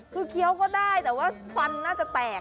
คือเคี้ยวก็ได้แต่ว่าฟันน่าจะแตก